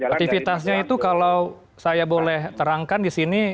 aktivitasnya itu kalau saya boleh terangkan di sini